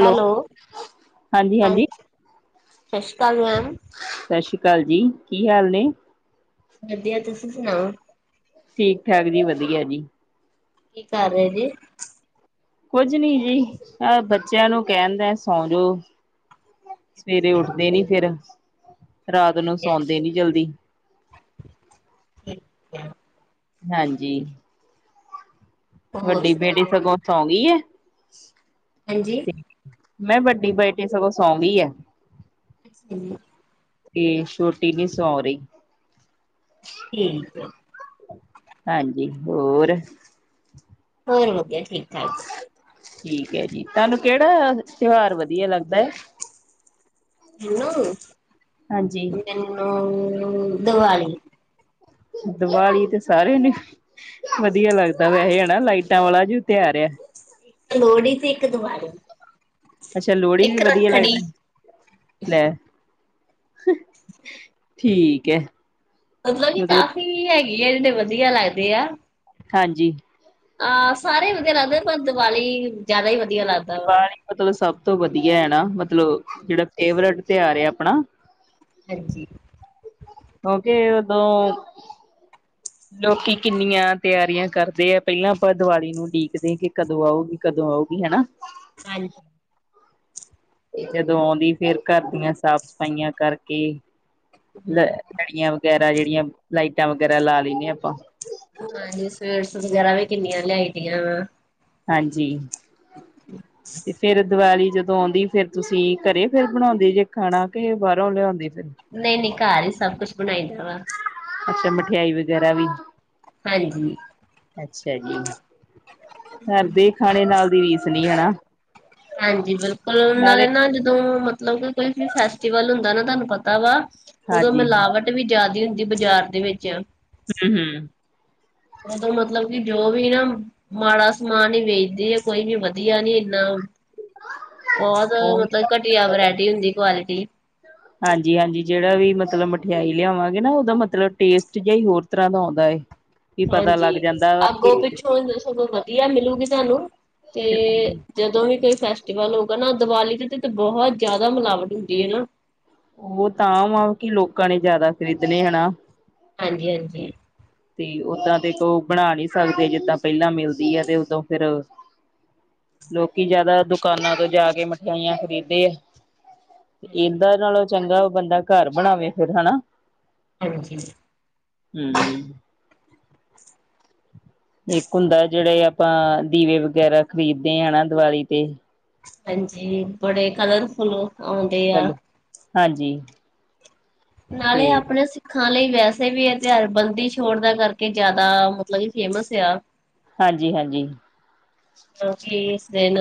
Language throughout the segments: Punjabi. ਹੈਲੋ ਹਾਂਜੀ ਹਾਂਜੀ ਹਾਂਜ ਸਤਿ ਸ਼੍ਰੀ ਅਕਾਲ ਮੈਂਮ ਸਤਿ ਸ਼੍ਰੀ ਅਕਾਲ ਜੀ ਕੀ ਹਾਲ ਨੇ ਵਧੀਆ ਤੁਸੀਂ ਸੁਣਾਓ ਠੀਕ ਠਾਕ ਜੀ ਵਧੀਆ ਜੀ ਕੀ ਕਰ ਰਹੇ ਜੇ ਕੁੱਝ ਨੀ ਜੀ ਐ ਬੱਚਿਆਂ ਨੂੰ ਕਹਿਣ ਦੇਆ ਸੌਂ ਜੋੋ ਸਵੇਰੇ ਉੱਠਦੇ ਨੀ ਫੇਰ ਰਾਤ ਨੂੰ ਹਾਂਜੀ ਹਾਂਜੀ ਸੌਂਦੇ ਨੀ ਜਲਦੀ ਠੀਕ ਹੈ। ਹਾਂਜੀ ਹੋਰ ਵੱਡੀ ਬੇਟੀ ਸੁਣਾਓ ਸਗੋਂ ਸੌਂ ਗਈ ਐ ਹਾਂਜੀ ਤੇ ਮੈਂ ਵੱਡੀ ਬੇਟੀ ਸਗੋਂ ਸੌਂਗੀ ਐ [inaudible] ਤੇ ਛੋਟੀ ਨੀ ਸੌਂ ਰਹੀ ਠੀਕ ਹਾਂਜੀ ਹੋਰ ਹੋਰ ਵਧਿਆ ਠੀਕ ਠਾਕ ਠੀਕ ਹੈ ਜੀ ਤੁਹਾਨੂੰ ਕਿਹੜਾ ਤਿਉਹਾਰ ਵਧੀਆ ਲੱਗਦਾ ਏ ਹਾਂਜੀ ਮੈਨੂੰ ਮੈਨੂੰ ਦਵਾਲੀ ਦਵਾਲੀ ਤੇ ਸਾਰਿਆਂ ਨੂੰ, ਵਧੀਆ ਲੱਗਦਾ ਵੈਸੇ ਹਨਾ ਲਾਈਟਾਂ ਵਾਲਾ ਜੋ ਤਿਉਹਾਰ ਐ। ਏਕ ਲੋੜੀ ਤੇ ਏਕ ਦੀਵਾਲੀ ਅੱਛਾ, ਲੋੜੀ ਵੀ ਇੱਕ ਵਧੀਆ ਰੱਖੜੀ ਲੱਗਦੀ। ਲੈ, ਠੀਕ ਐ। ਮਤਲਬ ਕੀ ਕਾਫ਼ੀ ਹੈਗੀ ਆ, ਜਿੜੇ ਵਧੀਆ ਲੱਗਦੇ ਆ। ਹਾਂਜੀ। ਅਹ ਸਾਰੇ ਈ ਵਧੀਆ ਲੱਗਦੇ, ਪਰ ਦੀਵਾਲੀ ਜਾਦਾ ਈ ਵਧੀਆ ਲੱਗਦਾ ਵਾ। ਦੀਵਾਲੀ ਮਤਲਬ ਸਭ ਤੋਂ ਵਧੀਆ ਐ ਨਾ ਮਤਲਬ ਜੇੜਾ ਫੇਵਰੇਟ ਤਉਹਾਰ ਐ ਆਪਣਾ। ਹਾਂਜੀ। ਕਿਉਂਕਿ ਉਦੋ ਲੋਕੀ ਕਿੰਨੀਆਂ ਤਿਆਰੀਆਂ ਕਰਦੇ ਆ ਪੈਲਾਂ ਆਪਾਂ ਦੀਵਾਲੀ ਨੂੰ ਉਡੀਕਦੇ ਕਿ ਕਦੋਂ ਆਉਗੀ। ਕਦੋਂ ਆਊਗੀ ਹੈਨਾ। ਹਾਂਜ। ਜਦੋਂ ਆਉਂਦੀ ਫੇਰ ਕਾਰ ਦੀਆਂ ਸਾਫ਼ ਸਫ਼ਾਈਆਂ ਕਰਕੇ, ਲ ਲੜੀਆਂ ਵਗੈਰਾ, ਜੇੜੀਆਂ ਲਾਈਟਾਂ ਵਗੈਰਾ ਲਾ ਲੈਂਨੇ ਆਪਾਂ। ਹਾਂਜੀ, ਸਵੇਟਸ ਵਗੈਰਾ ਵੀ ਕਿੰਨੀਆਂ ਲਿਆਈ ਦੀਆਂ ਵਾ। ਹਾਂਜੀ, ਤੇ ਫਿਰ ਦੀਵਾਲੀ ਜਦੋਂ ਆਉਂਦੀ, ਫੇਰ ਤੁਸੀਂ ਕਰੇ ਫੇਰ ਬਣਾਉਂਦੇ ਜੇ ਖਾਣਾ ਕਿ ਬਾਰੋਂ ਲਿਆਉਂਦੇ ਫੇਰ? ਨਈ-ਨਈ, ਕਾਰ ਈ ਸਭ ਕੁਛ ਬਣਾਈਦਾ ਵਾ। ਅੱਛਾ, ਮਠਿਆਈ ਵਗੈਰਾ ਵੀ। ਹਾਂਜੀ। ਅੱਛਾ ਜੀ, ਕੱਰ ਦੇ ਖਾਣੇ ਨਾਲ ਦੀ ਰੀਸ ਨੀ ਹਨਾ। ਹਾਂਜੀ ਬਿਲਕੁਲ, ਨਾਲੇ ਨਾ ਜਦੋਂ ਮਤ ਮਤਲਬ ਕਿ ਕੋਈ ਵੀ ਫੈਸਟੀਵਲ ਹੁੰਦਾ ਨਾ ਤੁਆਨੂੰ ਪਤਾ ਵਾ, ਉਦੋਂ ਹਾਂਜੀ ਹੂੰ ਮਿਲਾਵਟ ਟ ਵੀ ਜਾਦੀ ਹੁੰਦੀ ਬਾਜ਼ਾਰ ਦੇ ਵਿੱਚ ਹੂੰ-ਹੂੰ। ਉਦੋਂ ਮਤਲਬ ਕਿ ਜੋ ਵੀ ਨਾ ਮਾੜਾ ਸਮਾਨ ਈ ਵੇਚਦੇ ਆ, ਕੋਈ ਵੀ ਵਧੀਆ ਨੀ ਏਨਾ ਬੋਤ ਉਹੀ ਮਤਲਬ ਘਟੀਆ ਵਰਾਇਟੀ ਹੁੰਦੀ, ਕੁਆਲਿਟੀ। ਹਾਂਜੀ-ਹਾਂਜੀ ਜੇੜਾ ਵੀ ਮਤਲਬ ਮਠਿਆਈ ਲਿਆਵਾਂਗੇ ਨਾ ਓਦਾ ਮਤਲਬ ਟੇਸਟ ਜਾ ਈ ਹੋਰ ਤਰਾਂ ਦਾ ਆਉਂਦਾ ਐ। ਹਾਂਜੀ, ਅੱਗੋਂ ਪਿੱਛੋਂ ਅ ਸਗੋਂ ਵਧੀਆ ਮਿਲੂਗੀ ਤੁਆਨੂੰ, ਤੇ ਜਦੋਂ ਵੀ ਕੋਈ ਫੈਸਟੀਵਲ ਹੋਊਗਾ ਨਾ ਦੀਵਾਲੀ ਦੇ ਤੇ ਬੋਹਤ ਜਾਦਾ ਮਿਲਾਵਟ ਹੁੰਦੀ ਐ ਨਾ। ਓਤਾਂ ਵਾਂ ਕਿ ਲੋਕਾਂ ਨੇ ਜਾਦਾ ਖਰੀਦਣੇ ਆ ਨਾ। ਹਾਂਜੀ-ਹਾਂਜੀ। ਤੇ ਓਦਾਂ ਦੇਖੋ, ਓ ਬਣਾ ਨੀ ਸਕਦੇ ਜਿੱਦਾਂ ਪੈਲਾਂ ਮਿਲਦੀ ਐ ਤੇ ਉਦੋਂ ਫੇਰ ਲੋਕੀ ਜਿਆਦਾ ਦੁਕਾਨਾਂ ਤੋਂ ਜਾ ਕੇ ਮਠਿਆਈਆਂ ਖਰੀਦ ਦੇ ਆ। ਏਦਾਂ ਹਾਂਜੀ ਨਾਲੋਂ ਚੰਗਾ ਬੰਦਾ ਕਾਰ ਬਣਾਵੇ ਫੇਰ ਹੈਨਾ। ਹਾਂਜੀ। ਹੂੰ। ਏਕ ਹੁੰਦਾ, ਜੇੜੇ ਆਪਾਂ ਦੀਵੇ ਵਗੈਰਾ ਖਰੀਦ ਦੇ ਆ ਨਾ ਦੀਵਾਲੀ ਤੇ। ਹਾਂਜੀ, ਬੜੇ ਕਲਰਫੁੱਲ ਆਉਂਦੇ ਆ। ਚਲ ਹਾਂਜੀ। ਨਾਲੇ ਤੇ ਆਪਣੇ ਸਿੱਖਾਂ ਲਈ ਵੈਸੇ ਵੀ ਏ ਤਿਉਹਾਰ ਬੰਦੀਛੋੜ ਦਾ ਕਰਕੇ ਜਾਦਾ ਮਤਲਬ ਕਿ ਫੇਮਸ ਆ। ਹਾਂਜੀ-ਹਾਂਜੀ। ਕਿਉਕਿ ਇਸ ਦਿਨ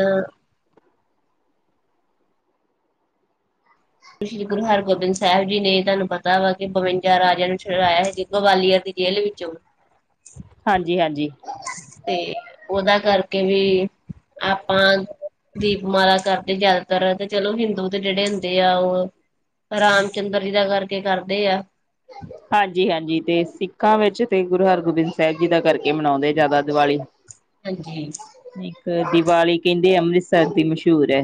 ਸ਼੍ਰੀ ਗੁਰੂ ਹਰਗੋਬਿੰਦ ਸਾਹਿਬ ਜੀ ਨੇ ਤੁਹਾਨੂੰ ਪਤਾ ਵਾ ਕਿ ਬਵੰਜਾ ਰਾਜਿਆਂ ਨੂੰ ਛੁਡਾਇਆ ਸੀ ਗਵਾਲੀਅਰ ਦੀ ਦੀ ਜੇਲ੍ਹ ਵਿੱਚੋਂ। ਹਾਂਜੀ ਹਾਂਜੀ। ਤੇ ਉਹਦਾ ਕਰਕੇ ਵੀ, ਆਪਾਂ ਦੀਪਮਾਲਾ ਕਰਦੇ ਜਿਆਦਾਤਰ ਤੇ ਚਲੋ ਹਿੰਦੂ ਦੇ ਜਿਹੜੇ ਦੇ ਆ ਉਹ ਰਾਮ ਚੰਦਰ ਜੀ ਦਾ ਕਰਕੇ ਕਰਦੇ ਆ। ਹਾਂਜੀ ਹਾਂਜੀ ਤੇ ਸਿੱਖਾਂ ਵਿੱਚ ਤੇ ਗੁਰੂ ਹਰਗੋਬਿੰਦ ਸਾਹਿਬ ਜੀ ਦਾ ਕਰਕੇ ਮਨਾਉਂਦੇ ਆ ਜ਼ਿਆਦਾ ਦੀਵਾਲੀ। ਹਾਂਜੀ ਇੱਕ ਦੀਵਾਲੀ ਕਹਿੰਦੇ ਅੰਮ੍ਰਿਤਸਰ ਦੀ ਮਸ਼ਹੂਰ ਏ।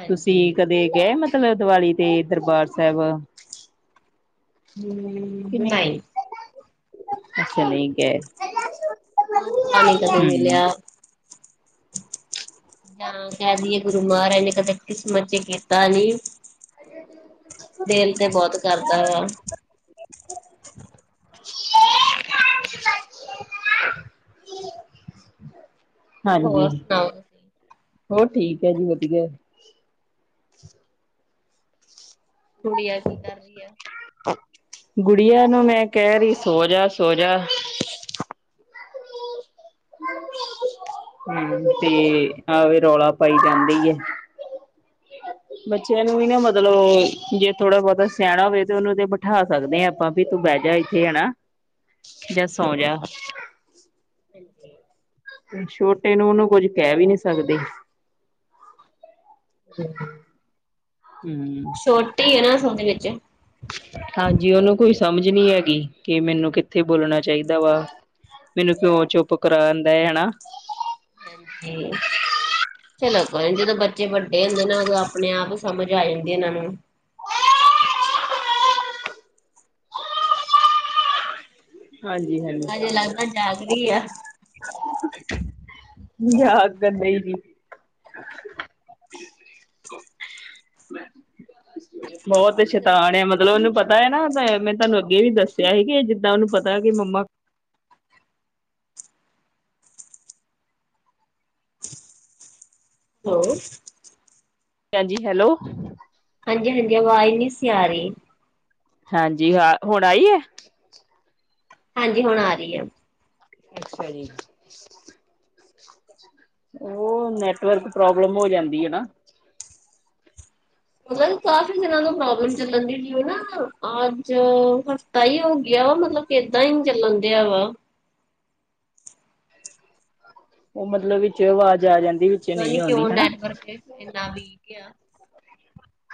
ਹਾਂਜੀ ਤੁਸੀਂ ਕਦੇ ਗਏ। ਮਤਲਬ ਦੀਵਾਲੀ ਤੇ ਦਰਬਾਰ ਸਾਹਿਬ। ਹਮ ਨਹੀਂ ਚਲੇ ਗਏ। ਮੌਕਾ ਨੀ ਕਦੇ ਹੂੰ, ਮਿਲਿਆ। ਜਾਂ ਕਹਿ ਦਈਏ, ਗੁਰੂ ਮਹਾਰਾਜ ਨੇ ਕਦੇ ਕਿਸਮਤ ਚ ਕੀਤਾ ਨੀ। ਦਿਲ ਤੇ ਬਹੁਤ ਕਰਦਾ ਵਾ। [unintelligible] [inaudible] ਹਾਂਜੀ ਹੋਰ ਸੁਣਾਓ ਤੁਸੀਂ ਹੋਰ ਠੀਕ ਏ ਜੀ ਵਧੀਆ। ਗੁੜਿਆ ਕੀ ਕਰਦੀ ਐਂ। ਗੁੜੀਆਂ ਨੂੰ ਮੈਂ ਕਹਿ ਰਹੀ ਸੋ ਜਾ, ਸੋ ਜਾ। ਮੰਮੀ ਆਈ ਤੇ ਆਵੇ ਰੌਲਾ ਪਾਈ ਜਾਂਦੀ ਏ। ਬੱਚਿਆਂ ਨੂੰ ਵੀ ਨਾ ਮਤਲਬ ਜੇ ਥੋੜਾ ਬਹੁਤਾ ਸਿਆਣਾ ਹੋਵੇ ਤੇ ਉਹਨੂੰ ਤੇ ਬਿਠਾ ਸਕਦੇ ਹਾਂ। ਭਾਬੀ ਵੀ ਤੂੰ ਬਹਿ ਜਾ ਇੱਥੇ ਹਨਾ ਜਾਂ ਸੌ ਜਾ। ਹਾਂਜੀ ਛੋਟੇ ਨੂੰ ਉਹਨੂੰ ਕੁੱਝ ਕਹਿ ਵੀ ਨੀ ਸਕਦੇ। ਹਮ ਹਮ ਛੋਟੀ ਏ ਨਾ ਅਸਲ ਦੇ ਵਿੱਚ ਹਾਂਜੀ ਓਹਨੂੰ ਕੋਈ ਸਮਝ ਨਹੀਂ ਹੈਗੀ ਕਿ, ਮੈਨੂੰ ਕਿੱਥੇ ਬੋਲਣਾ ਚਾਹੀਦਾ ਵਾ। ਮੈਨੂੰ ਕਿਉਂ ਚੁੱਪ ਕਰਨਾਂ ਬੈਹ ਜਾਣਾ ਹਾਂਜੀ ਚਲੋ ਕੋਈ ਜਦੋਂ ਬੱਚੇ ਵੱਡੇ ਹੁੰਦੇ ਨਾ ਉਦੋਂ ਆਪਣੇ ਆਪ ਸਮਝ ਆ ਜਾਂਦੀ ਇਹਨਾਂ ਨੂੰ ਹਾਂਜੀ ਹਾਂਜੀ। ਹਜੇ ਲੱਗਦਾ ਜਾਗ ਰਹੀ ਆ। ਯਾਦ ਕਰਦੇ ਸੀ ਅਵ ਬਹੁਤ ਸ਼ੇਤਾਨ ਮਤਲਬ ਹੈਲੋ ਮਤਲਬ ਉਹਨੂੰ ਪਤਾ ਹੈ ਨਾ, ਮੈਂ ਤੁਹਾਨੂੰ ਅੱਗੇ ਵੀ ਦੱਸਿਆ ਸੀਗੇ ਜਿੱਦਾਂ ਉਹਨੂੰ ਪਤਾ ਹੈ ਕਿ ਮੰਮਾ ਹੈਲੋ ਭੈਣ ਜੀ ਹੈਲੋ ਹਾਂਜੀ ਹਾਂਜੀ। ਆਵਾਜ਼ ਨਹੀ ਸੀ ਆ ਰਹੀ। ਹਾਂਜੀ ਜੀ ਹੁਣ ਆਈ ਏ? ਹਾਂਜੀ ਹੁਣ ਆ ਰਹੀ ਆ। ਅੱਛਾ ਜੀ। ਉਹ ਨੈਟਵਰਕ ਪ੍ਰੋਬਲਮ ਹੋ ਜਾਂਦੀ ਹੈ ਨਾ। ਮਤਲਬ ਕਾਫੀ ਦਿਨਾਂ ਤੋਂ ਪ੍ਰੋਬਲਮ ਚੱਲਣ ਦੀ ਸੀ। ਜਿਵੇਂ ਨਾ ਅੱਜ ਤਾ ਹੀ ਹੋ ਗਿਆ ਵਾ ਮਤਲਬ ਕਿ ਇਦਾਂ ਹੀ ਨ ਚੱਲਣ ਦਿਆ ਵਾ। ਉਹ ਮਤਲਬ ਵਿੱਚੋਂ ਆਵਾਜ਼ ਆ ਜਾਂਦੀ ਵਿੱਚ ਪਤਾ ਨੀ ਨਹੀਂ ਆਦੀ ਕਿਉਂ ਹਨਾ। ਨੈਟਵਰਕ ਇੰਨਾ ਵੀਕ ਆ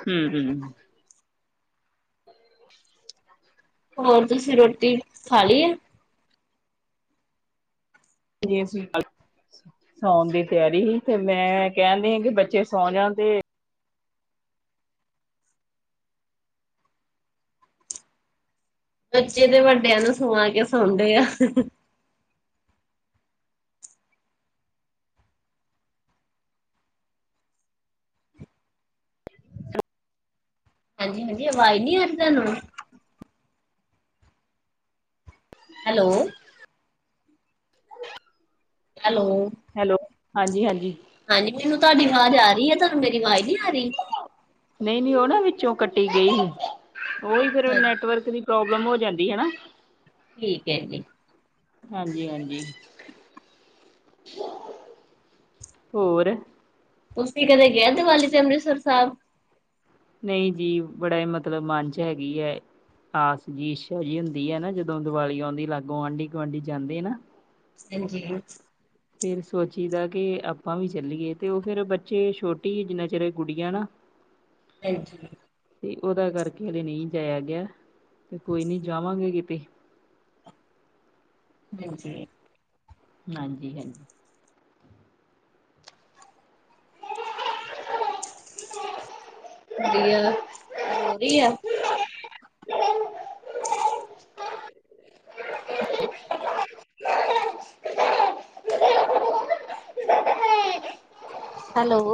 ਹਮ ਹਮ ਹੋਰ ਤੁਸੀਂ ਰੋਟੀ ਖਾ ਲਈ ਆ। ਜੀ ਅਸੀ ਖਾਲੀਆ ਸੌਉਣ ਦੀ ਤਿਆਰੀ ਸੀ ਤੇ ਮੈਂ ਕਹਿਣਦੀ ਹਾਂ ਕਿ ਬੱਚੇ ਸੌ ਜਾਣ ਤੇ ਬੱਚੇ ਤੇ ਵੱਡਿਆਂ ਨੂੰ ਸੁਵਾ ਕੇ ਸਾਉਦੇ ਆ ਹਾਂਜੀ ਹਾਂਜੀ ਆਵਾਜ਼ ਨੀ ਆ ਰਈ ਤੁਹਾਨੂੰ? ਹੈਲੋ ਹੈਲੋ ਹੈਲੋ ਹਾਂਜੀ ਹਾਂਜੀ ਹਾਂਜੀ ਮੈਨੂੰ ਤੁਹਾਡੀ ਆਵਾਜ਼ ਆ ਰਹੀ ਆ ਤੁਹਾਨੂੰ ਮੇਰੀ ਆਵਾਜ਼ ਨੀ ਆ ਰਈ? ਨਹੀਂ ਨਹੀਂ ਉਹ ਨਾ ਵਿੱਚੋਂ ਕੱਟੀ ਗਈ ਸੀ ਉਹੀ ਫੇਰ ਅੱਛਾ ਜੀ ਨੈੱਟਵਰਕ ਦੀ ਪਰੋਬਲਮ ਹੋ ਜਾਂਦੀ ਆ ਨਾ ਠੀਕ ਐ ਜੀ। ਹਾਂਜੀ ਹਾਂਜੀ ਹੋਰ ਤੁਸੀਂ ਕਦੇ ਗਏ ਦੀਵਾਲੀ ਤੇ ਅੰਮ੍ਰਿਤਸਰ ਸਾਹਿਬ। ਨਹੀਂ ਜੀ ਬੜਾ ਈ ਮਤਲਬ ਮਨ ਚ ਹੈਗੀ ਐ। ਆਸ ਜੀ ਇੱਛਾ ਜੀ ਹੁੰਦੀ ਹੈ ਨਾ ਜਦੋਂ ਦੀਵਾਲੀ ਆਉਂਦੀ ਲਾਗੋਂ ਆਂਢੀ ਗੁਆਂਢੀ ਜਾਂਦੇ ਆ ਨਾ। ਹਾਂਜੀ ਫੇਰ ਸੋਚੀ ਦਾ ਕਿ ਆਪਾਂ ਵੀ ਚੱਲੀਏ ਤੇ ਉਹ ਫੇਰ ਬੱਚੇ ਛੋਟੀ ਜਿੰਨਾ ਚਿਰ ਗੁਡੀਆਂ ਨਾ। [unintelligible] ਹਾਂਜੀ ਅਤੇ ਉਹਦਾ ਕਰਕੇ ਹਜੇ ਨਹੀਂ ਜਾਇਆ ਗਿਆ ਤੇ ਕੋਈ ਨਹੀਂ ਜਾਵਾਂਗੇ ਕਿਤੇ। ਜੀ ਜੀ ਹਾਂਜੀ ਹਾਂਜੀ ਗੁਡੀਆ ਰੋ ਰਹੀ ਆ? ਹੈਲੋ ਹੈਲੋ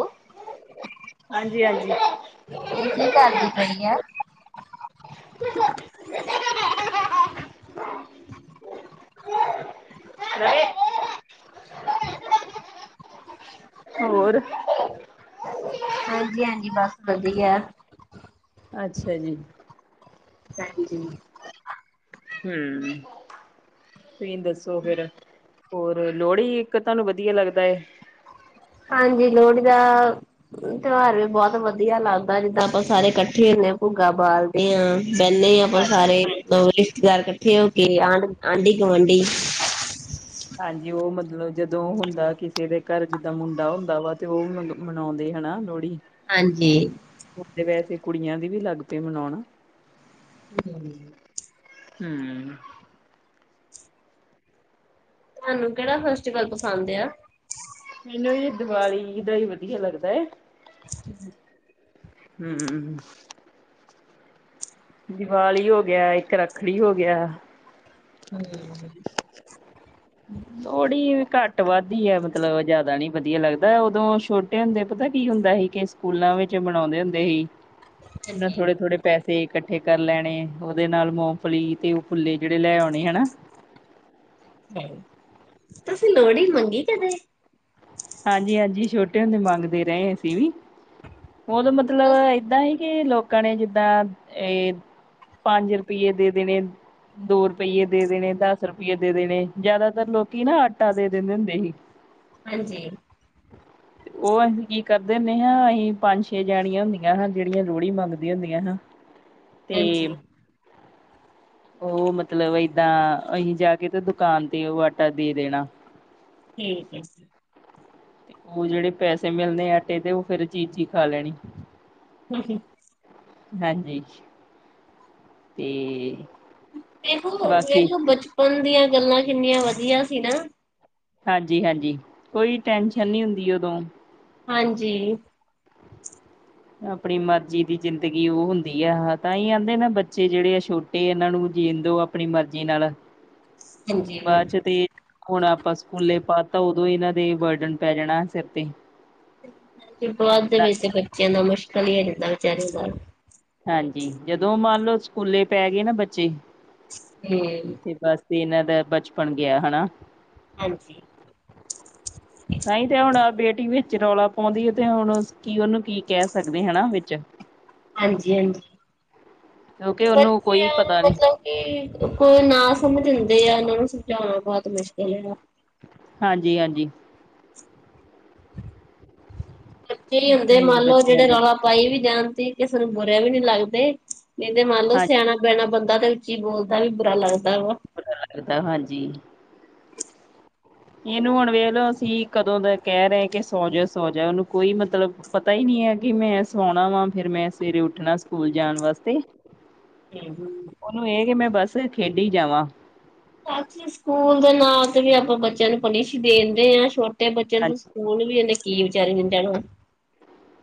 ਹਾਂਜੀ ਹਾਂਜੀ ਇਹ ਕੀ ਕਰਦੀ ਪਈ ਆ? ਗਏ ਹੋਰ ਹਾਂਜੀ ਹਾਂਜੀ ਬਸ ਵਧੀਆ ਅੱਛਾ ਜੀ। ਹਾਂਜੀ ਜੀ ਹਮ ਤੁਸੀਂ ਦੱਸੋ ਫੇਰ ਹੋਰ ਲੋਹੜੀ ਇੱਕ ਤੁਹਾਨੂੰ ਵਧੀਆ ਲੱਗਦਾ ਐ। ਹਾਂਜੀ ਲੋਹੜੀ ਦਾ ਤਿਉਹਾਰ ਵੀ ਬਹੁਤ ਵਧੀਆ ਲੱਗਦਾ ਜਿੱਦਾਂ ਆਪਾਂ ਸਾਰੇ ਇਕੱਠੇ ਹੁੰਦੇ ਭੁੱਗਾ ਬਾਲ ਹਾਂ ਬਹਿੰਨੇ ਆ ਆਪਾਂ ਹਾਂਜੀ ਸਾਰੇ ਰਿਸ਼ਤੇਦਾਰ ਇਕੱਠੇ ਹੋ ਕੇ ਆਂਢ ਆਂਢੀ ਗੁਆਂਢੀ। ਹਾਂਜੀ ਉਹ ਮਤਲਬ ਜਦੋਂ ਹੁੰਦਾ ਕਿਸੇ ਦੇ ਘਰ ਜਿੱਦਾਂ ਮੁੰਡਾ ਹੁੰਦਾ ਵਾ ਤੇ ਉਹ ਮਤਲਬ ਮਨਾਉਂਦੇ ਹਨਾ ਲੋਹੜੀ ਹਾਂਜੀ। ਹੁਣ ਤੇ ਵੈਸੇ ਕੁੜੀਆਂ ਦੇ ਵੀ ਲੱਗ ਪਏ ਮਨੋਣ। ਹੂੰ ਹੂੰ ਤੁਆਨੂੰ ਕੇੜਾ ਫੈਸਟੀਵਲ ਪਸੰਦ ਆ? ਮੈਨੂੰ ਜੀ ਦਿਵਾਲੀ ਦਾ ਈ ਵਧੀਆ ਲੱਗਦਾ। ਹੂੰ ਹੂੰ ਦੀਵਾਲੀ ਹੋ ਗੇਆ ਇੱਕ ਰੱਖੜੀ ਹੋ ਗੇਆ। ਹੂੰ ਥੋੜੀ ਘੱਟ ਵੱਧ ਈ ਆ, ਮਤਲਬ ਜਾਦਾ ਨੀ ਵਧੀਆ ਲੱਗਦਾ ਉਦੋਂ ਛੋ ਛੋਟੇ ਹੁੰਦੇ ਪਤਾ ਕੀ ਹੁੰਦਾ ਸੀ ਕੇ ਸਕੂਲਾਂ ਵਿੱਚ ਮਣਾਉਂਦੇ ਹੁੰਦੇ ਸੀ ਓਨਾਂ ਹਾਂਜੀ ਥੋੜੇ- ਥੋੜੇ ਪੈਸੇ ਇਕੱਠੇ ਕਰ ਲੈਣੇ ਓਦੇ ਨਾਲ ਮੂੰਫਲੀ ਤੇ ਉਹ ਫੁੱਲੇ ਜੇੜੇ ਲੈ ਆਉਣੇ ਹਨਾ? ਹੈ, ਤੁਸੀਂ ਲੋਹੜੀ ਮੰਗੀ ਕਦੇ? ਹਾਂਜੀ -ਹਾਂਜੀ ਛੋਟੇ ਹੁੰਦੇ ਮੰਗਦੇ ਰਹੇ ਅਸੀਂ ਵੀ, ਓਦੋ ਮਤਲਬ ਏਦਾਂ ਈ ਕਿ ਲੋਕਾਂ ਨੇ ਜਿੱਦਾਂ ਏ ਪੰਜ ਰੁਪਈਏ ਦੇ ਦੇਣੇ ਦੋ ਰੁਪਈਏ ਦੇ ਦੇਣੇ, ਦਸ ਰੁਪਈਏ ਦੇ ਦੇਣੇ, ਜਿਆਦਾਤਰ ਲੋਕੀਂ ਹਨਾ ਆਟਾ ਦੇ ਦਿੰਦੇ ਹੁੰਦੇ ਸੀ। ਹਾਂਜੀ। ਤੇ ਓ ਅਸੀਂ ਕੀ ਕਰਦੇ ਹੁੰਨੇ ਹਾਂ ਅਸੀਂ ਪੰਜ ਛੇ ਜਾਣੀਆਂ ਹੁੰਦੀਆਂ ਹਾਂ ਜੇੜੀਆਂ ਲੋਹੜੀ ਮੰਗਦੀਆਂ ਹੁੰਦੀਆਂ ਹਾਂ। ਤੇ ਹਾਂਜੀ ਓ ਮਤਲਬ ਏਦਾਂ, ਅਸੀਂ ਜਾ ਕੇ ਤੇ ਦੁਕਾਨ ਤੇ ਓ ਆਟਾ ਦੇ ਦੇਣਾ। ਠੀਕ ਏ ਜੀ। ਤੇ ਓ ਜੇੜੇ ਪੈਸੇ ਮਿਲਣੇ ਆਟੇ ਦੇ ਓ ਫੇਰ ਚੀਜ਼ ਖਾ ਲੈਣੀ। ਹੂੰਹੂੰ ਹਾਂਜੀ, ਤੇ ਦੇਖੋ ਬਾਕੀ ਵੇਖੋ ਬਚਪਨ ਦੀਆਂ ਗੱਲਾਂ ਕਿੰਨੀਆਂ ਵਧੀਆ ਸੀ ਨਾ ਹਾਂਜੀ -ਹਾਂਜੀ ਕੋਈ ਟੈਂਸ਼ਨ ਨਈ ਹੁੰਦੀ ਓਦੋਂ ਹਾਂਜੀ। ਆਪਣੀ ਮਰਜ਼ੀ ਦੀ ਜ਼ਿੰਦਗੀ ਓ ਹੁੰਦੀ ਆ ਤਾਂਹੀ ਆਂਦੇ ਨਾ ਬੱਚੇ ਜੇੜੇ ਆ ਛੋ ਟੇ-ਏਨਾਂ ਨੂੰ ਜੀਣ ਦੋ ਆਪਣੀ ਮਰਜ਼ੀ ਨਾਲ ਹਾਂਜੀ ਬਾਅਦ ਚ ਤੇ ਹੁਣ ਆਪਾਂ ਸਕੂਲੇ ਪਾਤਾਂ ਉਦੋਂ ਏਨਾਂ ਦੇ ਬਰਡਨ ਪੈ ਜਾਣਾ ਸਿਰ ਤੇ ਹ ਬਾਅਦ ਦੇ ਵਿੱਚ ਬੱਚੇਆਂ ਦਾ ਮੁਸ਼ਕਿਲ ਹੀ ਹੋ ਜਾਂਦਾ ਵਿਚਾਰਿਆਂ ਦਾ ਹਾਂਜੀ ਜਦੋਂ ਮੰਨ ਲੋਓ ਸਕੂਲੇ ਪੈ ਗਏ ਨਾ ਬੱਚੇ ਹੂੰ ਫੇਰ ਬਸ ਏਨਾ ਦਾ ਬਚਪਨ ਗੇਆ ਹਨਾ? ਹਾਂਜੀ। ਨਹੀਂ ਤੇ ਹੁਣ ਬੇਟੀ ਵਿੱਚ ਰੌਲਾ ਪਾਉਂਦੀ ਹੈ ਤੇ ਹੁਣ ਅਸ ਕੀ ਓਨੂੰ ਕੀ ਕੈ ਸਕਦੇ ਹਨਾ ਵਿੱਚ ਹਾਂਜੀ- ਹਾਂਜੀ, ਕਿਉਂਕਿ ਉਹਨੂੰ ਕੋਈ ਬੱਚੇਆ ਨੂੰ ਪਤਾ ਨਹੀਂ ਮਤਲਬ ਕੀ, ਕੋਈ ਨਾ ਸਮਝ ਹੁੰਦੇ ਆ ਏਨਾਂ ਨੂੰ ਸਮਝਾਉਣਾ ਬਹੁਤ ਮੁਸ਼ਕਿਲ ਹੈਗਾ। ਹਾਂਜੀ -ਹਾਂਜੀ। ਕਈ ਹੁੰਦੇ ਏਦਾਂ ਹੀ ਹੈ ਮੰਨ ਲਓ ਬੱਚਿਆਂ ਜੇੜੇ ਦਾ ਰੌਲਾ ਪਾਈ ਵੀ ਜਾਣ ਤੇ ਕਿਸੇ ਨੂੰ ਬੁਰੇ ਵੀ ਨਈ ਲੱਗਦੇ ਨਈ ਤੇ ਮੰਨ ਲਓ ਹਾਂ ਸਿਆਣਾ ਬਿਆਣਾ ਬੰਦਾ ਤੇ ਉੱਚੀ ਬੋਲਦਾ ਵੀ ਬੁਰਾ ਲੱਗਦਾ ਵਾ ਫਰਕ ਲਗਦਾ ਹਾਂਜੀ। ਏਨੂੰ ਹੁਣ ਵੇਖ ਲੋ ਅਸੀਂ ਕਦੋਂ ਦਾ ਕੈ ਰਏ ਕਿ ਸੌਂਜਾ- ਸੋਜਾ ਓਨੂੰ ਕੋਈ ਮਤਲਬ ਪਤਾ ਈ ਨੀ ਐ ਕਿ ਮੈਂ ਸੋਣਾ ਵਾ ਫੇਰ ਮੈਂ ਸਵੇਰੇ ਉੱਠਣੈ ਸਕੂਲ ਜਾਣ ਵਾਸਤੇ [unintelligible] ਓਨੂੰ ਏ ਕਿ ਮੈਂ ਬੱਸ ਖੇਡੀ ਜਾਵਾਂ। ਸਕੂਲ ਦੇ ਨਾਂ ਤੇ ਵੀ ਆਪਾਂ ਬੱਚੇਆਂ ਨੂੰ ਪਨਿਸ਼ ਈ ਦੇਨ ਡੇ ਆਂ ਛੋ ਤੇ ਬੱਚੇਆਂ ਨੂੰ ਸਕੂਲ ਵੀ ਏਨੇ ਕੀ ਵਿਚਾਰੇ ਨੇ ਜਾਣਾ।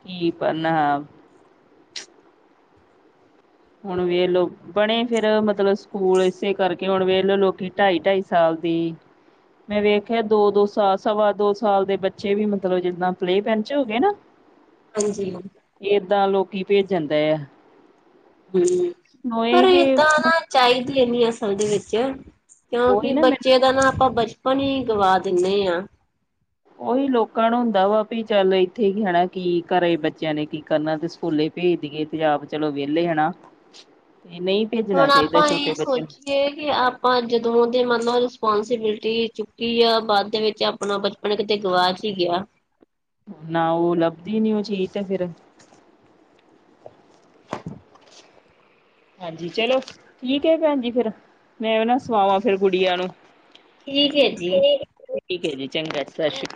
ਕੀ ਪੜਨਾ। ਹੁਣ ਵੇਲੋ ਬਣੇ ਫੇਰ ਮਤਲਬ ਸਕੂਲ ਏਸੇ ਕਰਕੇ ਹੁਣ ਵੇਖਲੋ ਲੋਕੀ ਢਾਈ ਢਾਈ ਸਾਲ ਦੀ ਮੈਂ ਵੇਖੇਆ ਦੋ ਦੋ ਸਾਲ ਸਵਾ ਦੋ ਸਾਲ ਦੇ ਬੱਚੇ ਵੀ ਮਤਲਬ ਜਿੱਦਾਂ ਪਲੇ ਪੈਨ ਚ ਹੋ ਗਏ ਨਾ ਹ [inaudible] ਹਾਂਜੀ। ਏਦਾਂ ਲੋਕੀ ਭੇਜਨ ਦੇ ਐ। ਹੂਂ, ਪਰ ਇਹ ਕਿ ਏਦਾਂ ਨਾ ਚਾਈਦੀ ਦੀ ਨੀ ਅਸਲ ਦੇ ਵਿੱਚ। ਉਹੀ ਕੇਓਂਕਿ ਨਾ ਮੈਂ ਬੱਚੇ ਦਾ ਨਾ ਆਪਾਂ ਬਚਪਨ ਈ ਗਵਾ ਦਿੰਨੇ ਆ। ਓਹੀ, ਲੋਕਾਂ ਨੂੰ ਹੁੰਦਾ ਵਾ ਵੀ ਚੱਲ ਇੱਥੇ ਹੀ ਹੈਣਾ ਕੀ ਘਰੇ ਬੱਚੇਆਂ ਨੇ ਕੀ ਕਰਨਾ ਤੇ ਸਕੂਲੇ ਭੇਜ ਦੇਈਏ, ਤੇ ਆਪ ਚਲੋ ਵੇਲੇ ਹਨਾ ਤੇ ਨਈ ਹੁਣ ਆਪਾਂ ਏ ਸੋਚੀ ਏ ਕਿ ਆਪਾਂ ਜਦੋਂ ਦੇ ਮਤਲਬ ਰਿਸਪੋਂਸੀਬਿਲਟੀ ਚੁੱਕੀ ਆ ਬਾਦ ਦੇ ਵਿੱਚ ਅਪਣਾ ਬੱ ਚਪਨ ਕਿਤੇ ਗਵਾਚ ਈ ਗੇਆ। ਨਾ ਓ ਲੱਭਦੀ ਨੀ ਓ ਚੀਜ ਤੇ ਫੇਰ। [inaudible] ਹਾਂਜੀ, ਚਲੋ। ਠੀਕ ਏ ਭੈਣ ਜੀ ਫੇਰ ਮੈਂ ਨਾ ਸਵਾਵਾਂ ਨਾ ਫੇਰ ਗੁਡੀਆਂ ਨੂੰ। ਠੀਕ ਏ ਜੀ। ਠੀਕ ਏ ਜੀ ਚੰਗਾ ਸਸ਼ਰੀਕਾਲ।